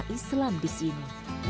semua islam di sini